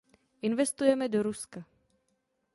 Investujeme do Ruska.